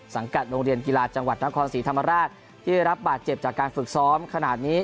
กัดโรงเรียนกีฬาจังหวัดนครศรีธรรมราชที่ได้รับบาดเจ็บจากการฝึกซ้อมขนาดนี้